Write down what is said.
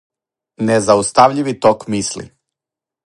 Незаустављиви ток мисли.